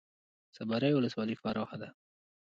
صبریو ولسوالۍ پراخه ده؟